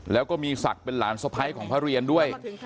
แล้วก็มีศักดิ์เป็นหลานสะพ้ายของพระเรียนด้วย